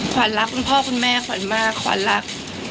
ขวัญรักคุณพ่อคุณแม่ขวัญมากขวัญรัก